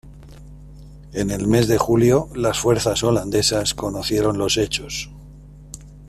En el mes de julio las fuerzas holandesas conocieron los hechos.